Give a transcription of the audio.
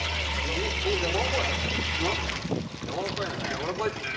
やわらかいよね？